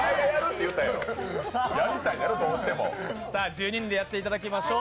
１２人でやっていただきましょう。